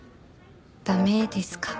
駄目ですか？